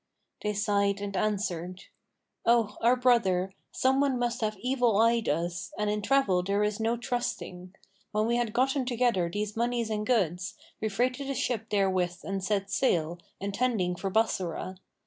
They sighed and answered, 'O our brother, some one must have evileyed us, and in travel there is no trusting. When we had gotten together these monies and goods, we freighted a ship therewith and set sail, intending for Bassorah.